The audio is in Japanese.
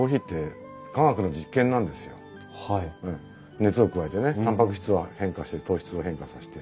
熱を加えてねたんぱく質を変化させて糖質を変化させて。